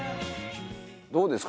どうですか？